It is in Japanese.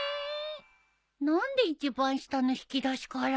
何で一番下の引き出しから？